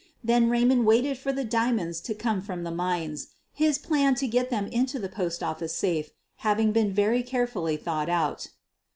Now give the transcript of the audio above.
Then Raymond waited for the diamonds to come from the mines, his plan to get them into the post office safe having been very carefully thought out.